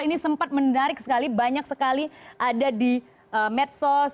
ini sempat menarik sekali banyak sekali ada di medsos